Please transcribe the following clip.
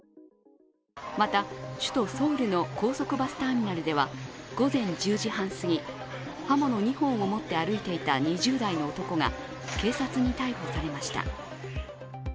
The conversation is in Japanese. また、首都ソウルの高速バスターミナルでは午前１０時半すぎ刃物２本を持って歩いていた２０代の男が警察に逮捕されました。